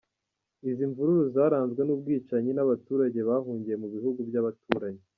Izi mvururu zaranzwe n’ubwicanyi n’abaturage bahungiye mu bihugu by’abaturanyi.